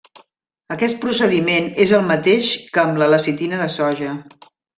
Aquest procediment és el mateix que amb la lecitina de soja.